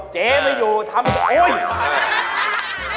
เจ๊ไม่อยู่ทำด้วยกัน